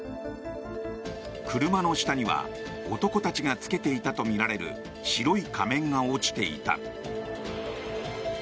車の下には男たちが着けていたとみられる白い仮面が落ちていた。